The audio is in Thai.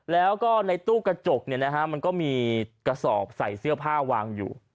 แล้วก็ในตู้กระจกมันก็มีกระสอบใส่เสื้อผ้าวางอยู่